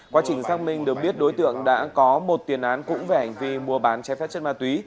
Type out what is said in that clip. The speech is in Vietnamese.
quá trình xác minh được biết đối tượng đã có một tiền án cũng về hành vi mua bán trái phép chất ma túy